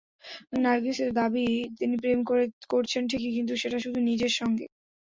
নার্গিসের দাবি, তিনি প্রেম করছেন ঠিকই, কিন্তু সেটা শুধু নিজের সঙ্গে।